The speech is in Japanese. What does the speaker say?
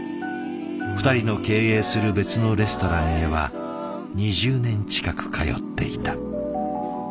２人の経営する別のレストランへは２０年近く通っていた。